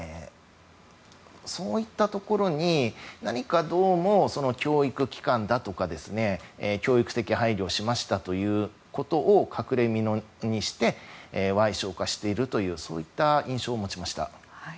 そういったところにどうも教育機関だとか教育的配慮をしましたということを隠れみのにして矮小化しているというそういった印象を持ちました。